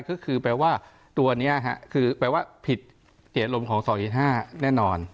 คือคือแปลว่าตัวเนี้ยฮะคือแปลว่าผิดเดี๋ยวลมของสองที่ห้าแน่นอน